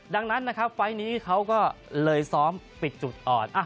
ดังนั้นนะครับไฟล์นี้เขาก็เลยซ้อมปิดจุดอ่อน